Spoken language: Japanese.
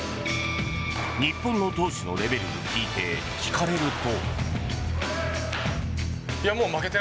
日本の投手のレベルについて聞かれると。